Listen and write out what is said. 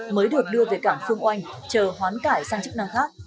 mới được đưa về cảng phương oanh chờ hoán cải sang chức năng khác